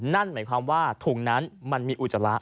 นั่นหมายความว่าถุงนั้นมันมีอุจจาระ